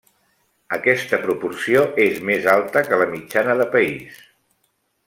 Aquesta proporció és més alta que la mitjana de país.